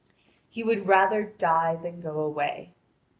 He would rather die than go away.